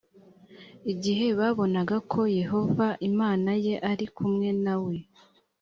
igihe babonaga ko yehova imana ye ari kumwe na we